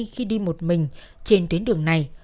khi đi một mình trên tuyến đường này